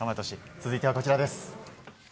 続いてはこちらです。